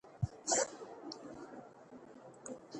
پښتانه په عذاب سول.